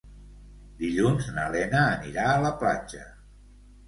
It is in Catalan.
Dilluns na Lena anirà a la platja.